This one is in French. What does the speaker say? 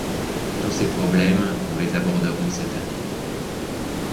Tous ces problèmes, nous les aborderons cette année.